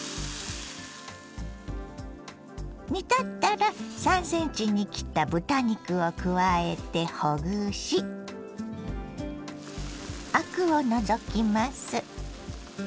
煮立ったら３ｃｍに切った豚肉を加えてほぐしアクを除きます。